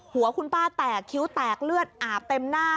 หัวคุณป้าแตกคิ้วแตกเลือดอาบเต็มหน้า